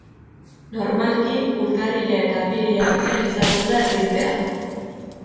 Normalki urtarrila eta apirila artean izaten da erditzea.